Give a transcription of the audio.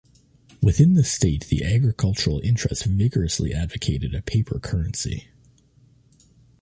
Within the state the agricultural interests vigorously advocated a paper currency.